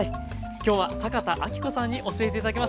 今日は坂田阿希子さんに教えて頂きました。